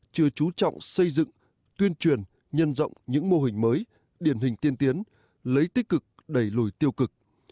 chưa chú trọng xây dựng tuyên truyền nhân rộng những mô hình mới điển hình tiên tiến lấy tích cực đẩy lùi tiêu cực